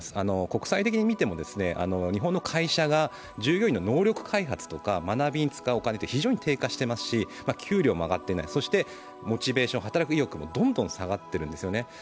国際的に見ても日本の会社が従業員の能力開発とか学びに使うお金は非常に低下していますし給料も上がっていない、モチベーション、働く意欲もどんどん下がっているんですね。